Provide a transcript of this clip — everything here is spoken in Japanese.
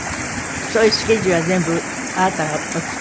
そういうスケジュールは全部あなたがお作りになるの？